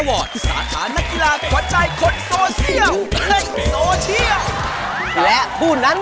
ขอบคุณที่ช่วยเอ่ยชื่อครับ